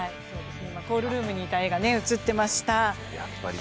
コールルームにいた画が映っていました。